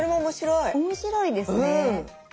面白いですね。